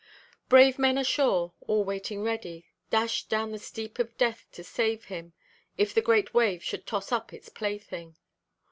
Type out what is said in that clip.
Brave men ashore, all waiting ready, dashed down the steep of death to save him, if the great wave should toss up its plaything.